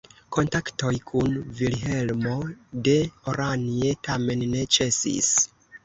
Kontaktoj kun Vilhelmo de Oranje tamen ne ĉesis.